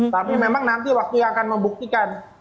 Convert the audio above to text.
tapi memang nanti waktu yang akan membuktikan